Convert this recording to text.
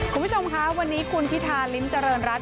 คุณผู้ชมคะวันนี้คุณพิธาริมเจริญรัฐ